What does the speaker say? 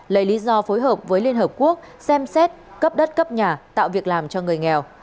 lấy lý do phối hợp với liên hợp quốc xem xét cấp đất cấp nhà tạo việc làm cho người nghèo